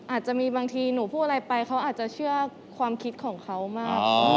อาจจะมีบางทีหนูพูดอะไรไปเขาอาจจะเชื่อความคิดของเขามาก